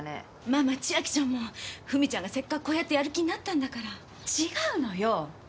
まあまあ千晶ちゃんも史ちゃんがせっかくこうやってやる気になったんだから違うのよ！